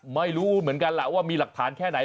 ไม่รู้เหมือนกันล่ะว่ามีหลักฐานแค่ไหน